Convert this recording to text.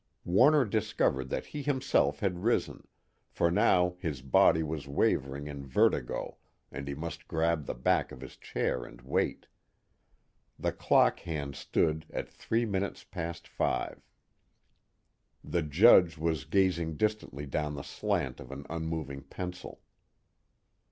Warner discovered that he himself had risen, for now his body was wavering in vertigo and he must grab the back of his chair and wait. The clock hands stood at three minutes past five. The Judge was gazing distantly down the slant of an unmoving pencil.